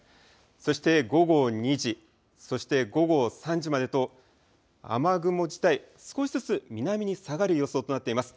そして午後２時、そして午後３時までと雨雲自体、少しずつ南に下がる予想となっています。